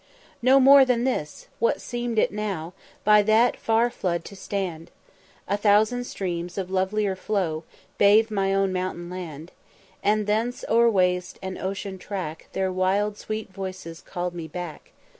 "No more than this! what seem'd it now By that far flood to stand? A thousand streams of lovelier flow Bathe my own mountain land, And thence o'er waste and ocean track Their wild sweet voices call'd me back.